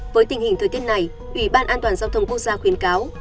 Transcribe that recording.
với tình hình thời tiết này ủy ban an toàn giao thông quốc gia khuyến cáo